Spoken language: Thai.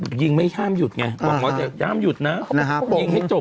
ประวัติชาติเขาแม่ดูประดิษฐ์อะ